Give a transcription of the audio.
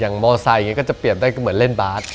อย่างมอร์ไซด์อย่างนี้ก็จะเปลี่ยนได้เหมือนเล่นบ้าน